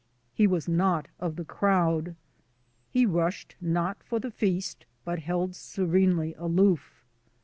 He was not of the crowd. He rushed not for the feast, but held serenely aloof.